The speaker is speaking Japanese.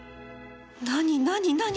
何何何？